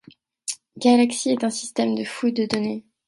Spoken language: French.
Galaxy est un système de fouille de données.